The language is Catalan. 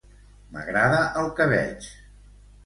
M'agrada el que veig.